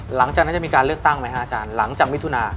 หลังจากนั้นจะมีการเลือกตั้งไหมฮะอาจารย์หลังจากมิถุนา